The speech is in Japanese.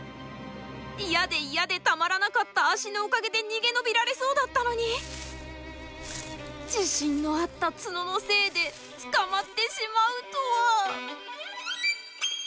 嫌で嫌でたまらなかった脚のおかげで逃げ延びられそうだったのに自信のあったツノのせいで捕まってしまうとは。